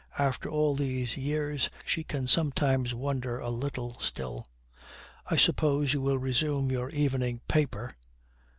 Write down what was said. After all these years, she can sometimes wonder a little still. 'I suppose you will resume your evening paper!'